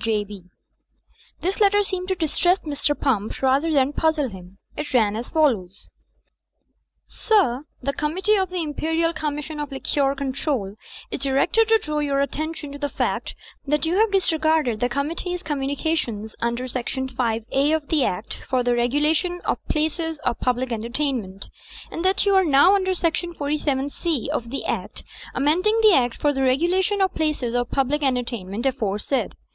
J. B." This letter seemed to distress Mr. Pump rather than puzzle him. It ran as follows: "Sir— "The Committee of the Imperial Commission of Liquor Control is directed to draw your attention to the fact that you have disregarded the Committee's communications under section 5A of the Act for the Regulation of Places of Public Entertainment; and that you are now under Section 47C of the Act amending the Act for the Regulation of Places of Public Entertainment aforesaid.